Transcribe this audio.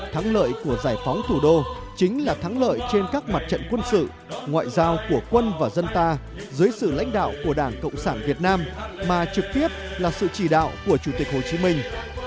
thắng lợi của giải phóng thủ đô chính là thắng lợi trên các mặt trận quân sự ngoại giao của quân và dân ta dưới sự lãnh đạo của đảng cộng sản việt nam mà trực tiếp là sự chỉ đạo của chủ tịch hồ chí minh